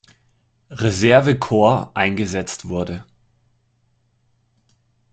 Reserve-Korps eingesetzt wurde.